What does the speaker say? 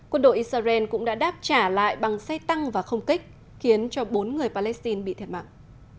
quân đội israel cũng đã đáp trả lại bằng xe tăng và không kích khiến cho bốn người palestine bị thiệt mạng